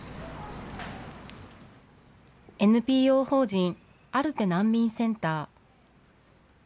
ＮＰＯ法人アルペなんみんセンター。